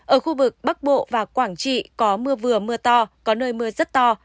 ở khu vực bắc bộ và quảng trị có mưa vừa mưa to có nơi mưa rất to